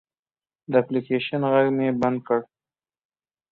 د اپلیکیشن غږ مې بند کړ.